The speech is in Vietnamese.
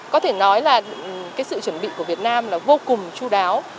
có thể nói là cái sự chuẩn bị của việt nam là vô cùng chú đáo